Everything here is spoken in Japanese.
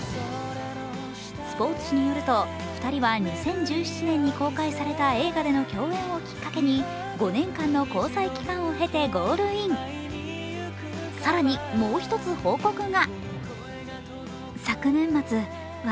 スポーツ紙によると、２人は２０１７年に公開された映画での共演をきっかけに５年間の交際期間を経てゴールイン更に、もう一つ報告が。